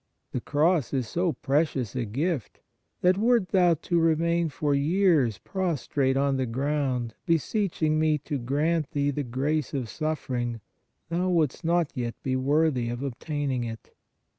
The cross is so precious a gift, that wert thou to remain for years prostrate on the ground, beseeching Me to grant thee the grace of suffering, thou wouldst not yet be worthy of obtaining it.